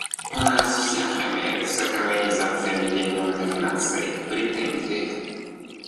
У нас всех имеются к Организации Объединенных Наций претензии.